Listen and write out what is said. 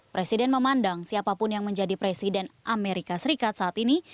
presiden memandang siapapun yang menjadi presiden amerika serikat saat ini